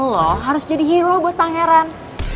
loh harus jadi hero buat pangeran